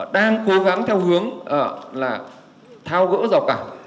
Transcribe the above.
đang cố gắng theo hướng tháo gỡ rào càn